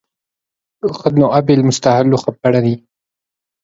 خدن أبي المستهل خبرني